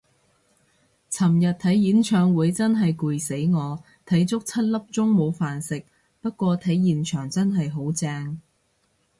尋日睇演唱會真係攰死我，睇足七粒鐘冇飯食，不過睇現場真係好正